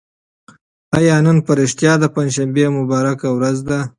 آیا نن په رښتیا د پنجشنبې مبارکه ورځ ده؟